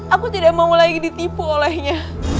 aku tidak mau lagi ditipu olehnya